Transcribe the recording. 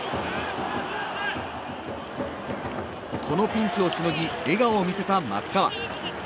このピンチをしのぎ笑顔を見せた松川。